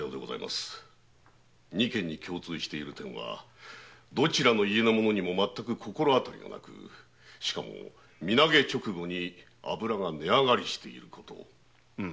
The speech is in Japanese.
二件に共通している点はどちらの家の者にも全く心当たりがなくしかも身投げ直後に油が値上がりしていること。